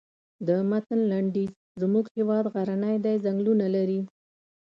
د متن لنډیز زموږ هېواد غرنی دی ځنګلونه لري.